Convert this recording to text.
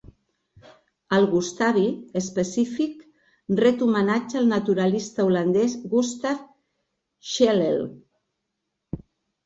El "gustavi" específic ret homenatge al naturalista holandès Gustaaf Schlegel.